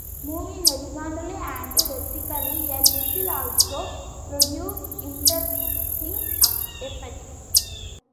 Moving horizontally and vertically a little also produces interesting effects.